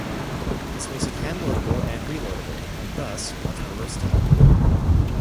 This makes it handloadable and reloadable, and thus much more versatile.